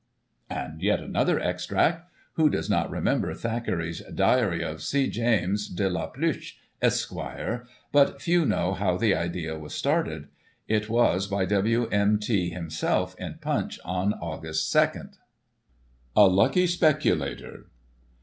" And yet another extract. Who does not remember Thackeray's Diary of C. Jeames de la Tluche, Esqre.? but few know how the idea was started. It was by W. M. T. himself in Punch of Aug. 2 : A LUCKY SPECULATOR.